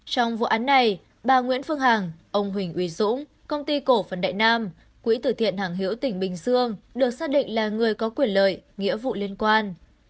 trong vụ án này bà nguyễn phương hằng ông huỳnh uy dũng công ty cổ phần đại nam quỹ tử thiện hàng hiểu tỉnh bình dương được xác định là người có quyền lợi nghĩa vụ liên quan